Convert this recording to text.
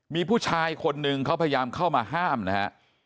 มีผู้ชายคนหนึ่งเขาพยายามเข้ามาห้ามนะฮะ